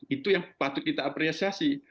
itu yang patut kita apresiasi